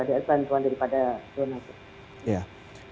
ya selanjutnya tuhan daripada tuhan